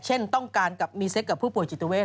เช่นต้องการกับมีเซ็กกับผู้ป่วยจิตเวท